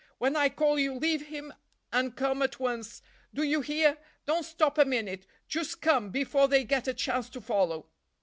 When I call you, leave him and come at once, do you hear? Don't stop a minute—just come, before they get a chance to follow."